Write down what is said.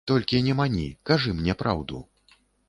Толькі не мані, кажы мне праўду.